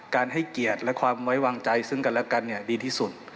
ให้เกียรติและความไว้วางใจซึ่งกันและกันดีที่สุด